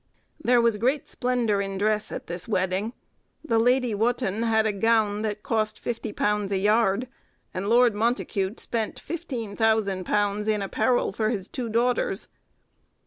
There was great splendour in dress at this wedding; the Lady Wotton had a gown that cost £50 a yard; and Lord Montacute spent £15,000 in apparel for his two daughters.